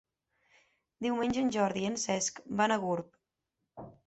Diumenge en Jordi i en Cesc van a Gurb.